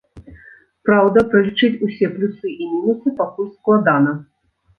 Праўда, пралічыць усе плюсы і мінусы пакуль складана.